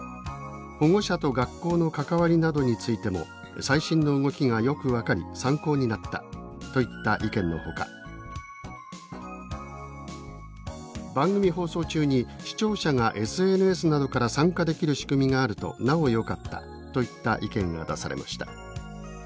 保護者と学校の関わりなどについても最新の動きがよく分かり参考になった」といった意見のほか「番組放送中に視聴者がＳＮＳなどから参加できる仕組みがあるとなおよかった」といった意見が出されました。